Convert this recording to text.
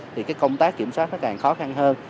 thì cái công tác kiểm soát nó càng khó khăn hơn